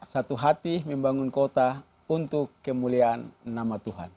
satu hati membangun kota untuk kemuliaan nama tuhan